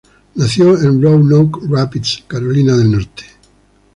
Nació en Roanoke Rapids, Carolina del Norte.